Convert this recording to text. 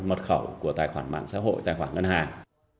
mật khẩu của tài khoản mạng xã hội tài khoản ngân hàng